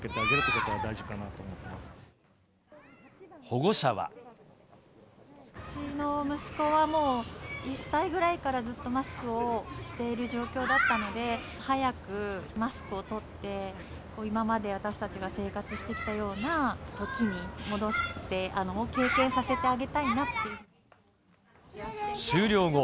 うちの息子は、もう１歳ぐらいからずっとマスクをしている状況だったので、早くマスクを取って、今まで私たちが生活してきたようなときに戻して、経験させてあげ終了後。